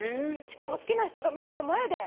しかも好きな人が見てる前で。